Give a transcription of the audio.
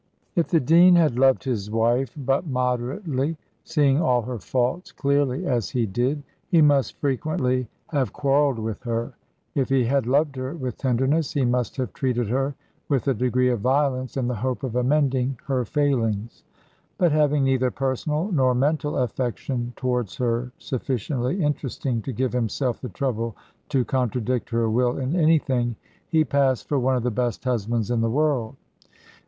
If the dean had loved his wife but moderately, seeing all her faults clearly as he did, he must frequently have quarrelled with her: if he had loved her with tenderness, he must have treated her with a degree of violence in the hope of amending her failings. But having neither personal nor mental affection towards her sufficiently interesting to give himself the trouble to contradict her will in anything, he passed for one of the best husbands in the world.